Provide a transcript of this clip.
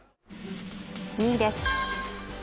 ２位です。